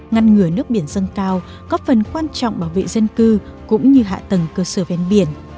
ngăn ngừa nước biển dâng cao có phần quan trọng bảo vệ dân cư cũng như hạ tầng cơ sở ven biển